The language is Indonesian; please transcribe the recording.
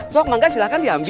sok mangga silahkan diambil